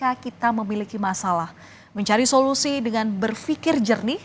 tapi kalau kita memiliki masalah mencari solusi dengan berfikir jernih